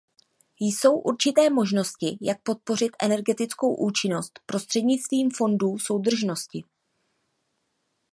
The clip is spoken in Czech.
Jsou určité možnosti, jak podpořit energetickou účinnost prostřednictvím fondů soudržnosti.